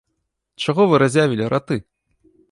Чаго вы разявілі раты?